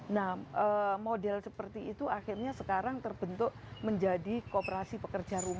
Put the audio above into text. nah model seperti itu akhirnya sekarang terbentuk menjadi kooperasi pekerja rumah